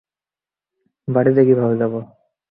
বাড়িতে কীভাবে যাব?